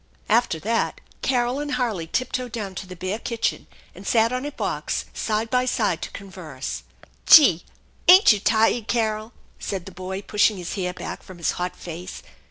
After/ THE ENCHANTED BARN 119 that Carol and Harley tiptoed down to the bare kitchen, and sat on a box side by side to converse. " Gee ! Ain't you tired, Carol ?" said the boy, pushing his hair back from his hot face.